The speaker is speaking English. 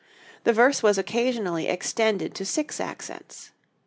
The verse was occasionally extended to six accents.